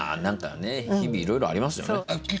何か日々いろいろありますよね。